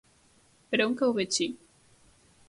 Per on cau Betxí?